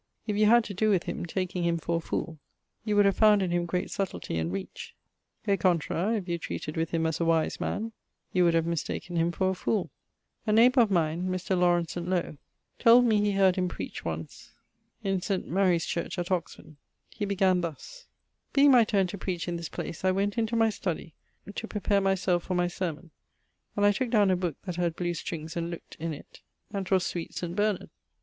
If you had to doe with him, taking him for a foole, you would have found in him great subtilty and reach: è contra, if you treated with him as a wise man, you would have mistaken him for a foole. A neighbour of mine (Mr. La St. Low[H]) told me he heard him preach once in St. Marie's Church, at Oxon. He began thus: 'being my turne to preach in this place, I went into my study to prepare my selfe for my sermon, and I tooke downe a booke that had blew strings, and look't in it, and 'twas sweet Saint Bernard.